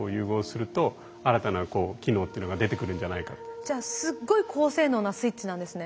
僕らじゃあすっごい高性能なスイッチなんですね。